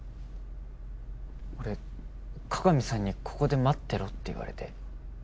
俺加賀見さんにここで待ってろって言われて。